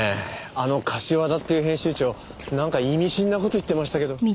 あの柏田っていう編集長なんか意味深な事言ってましたけど。